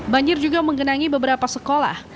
banjir juga menggenangi beberapa sekolah